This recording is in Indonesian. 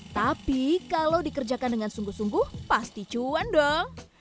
tapi kalau dikerjakan dengan sungguh sungguh pasti cuan dong